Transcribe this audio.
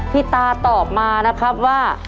พี่ตาตอบมานะครับว่า